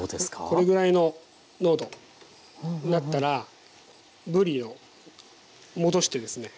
これぐらいの濃度なったらぶりを戻してですね。